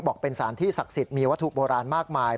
บอกเป็นสารที่ศักดิ์สิทธิ์มีวัตถุโบราณมากมาย